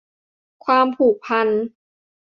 ความผูกพัน